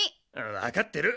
わかってる。